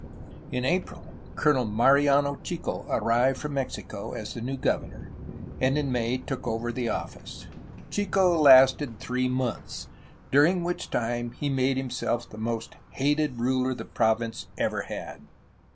In April, Colonel Mariano Chico arrived from Mexico as the new governor, and in May took over the office. Chico lasted three months, during which time he made himself the most hated ruler the province ever had.